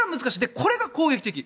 これが攻撃的。